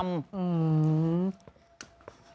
อืม